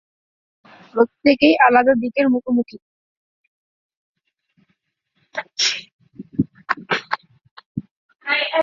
প্রত্যেকেই আলাদা দিকের মুখোমুখি।